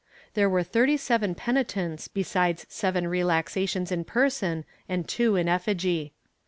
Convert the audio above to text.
There were thirty seven penitents besides seven relaxations in person and two in effigy.